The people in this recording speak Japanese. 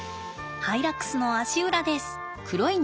ハイラックスの足裏です。